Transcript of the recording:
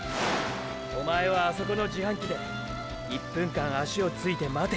おまえはあそこの自販機で１分間足をついて待て。